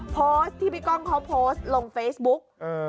โพสต์ที่พี่ก้องเขาโพสต์ลงเฟซบุ๊ก